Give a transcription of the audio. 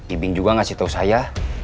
ibing juga ngasih tahu saya